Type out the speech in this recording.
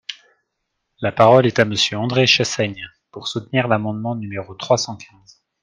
La parole est à Monsieur André Chassaigne, pour soutenir l’amendement numéro trois cent quinze.